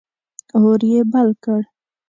اور یې بل کړ.